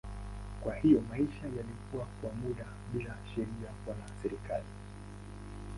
Kwa hiyo maisha yalikuwa kwa muda bila sheria wala serikali.